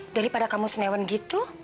daripada kamu senewan gitu